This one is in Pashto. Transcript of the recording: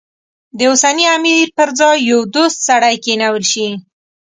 د اوسني امیر پر ځای یو دوست سړی کېنول شي.